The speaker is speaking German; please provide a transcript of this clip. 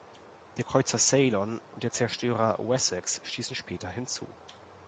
Der Kreuzer "Ceylon" und der Zerstörer "Wessex" stießen später hinzu.